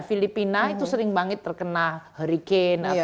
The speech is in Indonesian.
filipina itu sering banget terkena hurricane